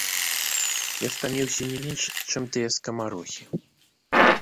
Я стаміўся не менш, чым тыя скамарохі.